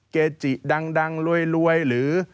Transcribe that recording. เกจิดังดังรวยรวยหรือ